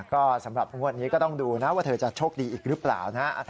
ก็สำหรับงวดนี้ก็ต้องดูนะว่าเธอจะโชคดีอีกหรือเปล่านะ